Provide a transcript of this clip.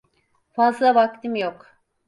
Fazla vaktim yok.